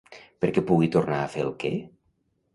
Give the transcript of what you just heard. Perquè pugui tornar a fer el què?